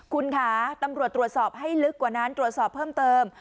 คุณค่ะตำรวจตรวจสอบให้ลึกกว่านั้นตรวจสอบเพิ่มเติม